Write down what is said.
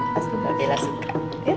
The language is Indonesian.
pasti mbak bella suka